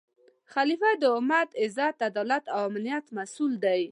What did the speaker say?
خلیفه د امت د عزت، عدالت او امنیت مسؤل دی